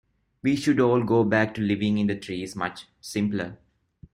We should all go back to living in the trees, much simpler.